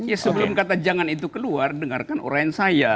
ya sebelum kata jangan itu keluar dengarkan orang saya